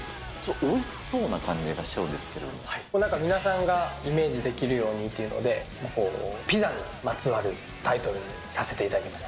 おいしそうな感じがするんですけなんか皆さんがイメージできるようにというので、ピザにまつわるタイトルにさせていただきました。